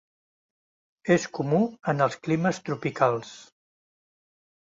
És comú en els climes tropicals.